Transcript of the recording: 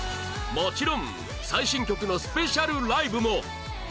もちろん最新曲のスペシャルライブも